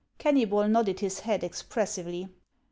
Kennybol nodded his head expressively.